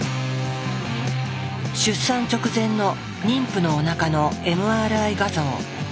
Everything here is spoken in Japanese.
出産直前の妊婦のおなかのＭＲＩ画像。